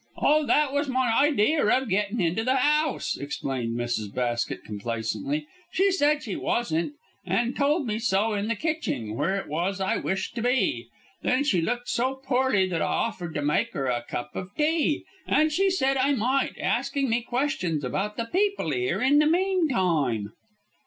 "Oh, that was my idear of getting into the 'ouse," explained Mrs. Basket, complacently. "She said she wasn't, and told me so in the kitching, where it was I wished to be. Then she looked so poorly that I offered to make 'er a cup of tea, and she said I might, asking me questions about the people 'ere in the meantime."